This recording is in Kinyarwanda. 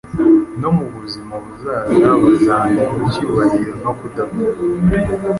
no mu buzima buzaza buzambikwa icyubahiro no kudapfa.